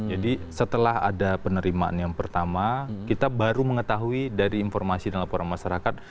jadi setelah ada penerimaan yang pertama kita baru mengetahui dari informasi dalam laporan masyarakat